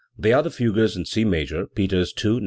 They are the fugues in C major (Peters II, No.